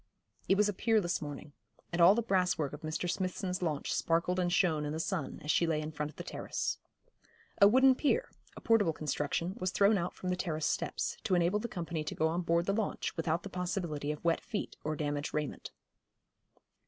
It was a peerless morning, and all the brasswork of Mr. Smithson's launch sparkled and shone in the sun, as she lay in front of the terrace. A wooden pier, a portable construction, was thrown out from the terrace steps, to enable the company to go on board the launch without the possibility of wet feet or damaged raiment.